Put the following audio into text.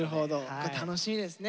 これ楽しみですね。